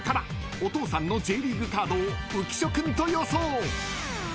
［お父さんのＪリーグカードを浮所君と予想］